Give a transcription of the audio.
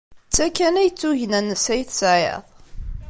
D ta kan ay d tugna-nnes ay tesɛiḍ?